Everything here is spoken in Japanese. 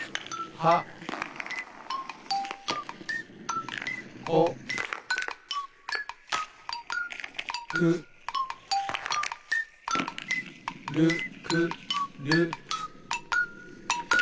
「はこくるくる」。